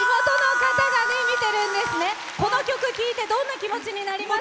この曲、聴いてどんな気持ちになります？